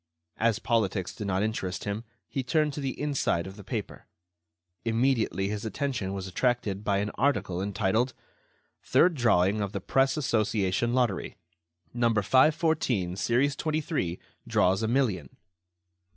As politics did not interest him, he turned to the inside of the paper. Immediately his attention was attracted by an article entitled: "Third Drawing of the Press Association Lottery. "No. 514, series 23, draws a million."